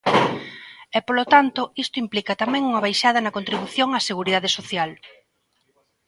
E, polo tanto, isto implica tamén unha baixada na contribución á Seguridade Social.